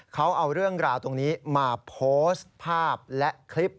เขาเอาเรื่องราวตรงนี้มาโพสต์ภาพและคลิป